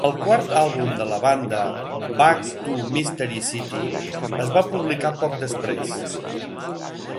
El quart àlbum de la banda, "Back to Mystery City", es va publicar poc després.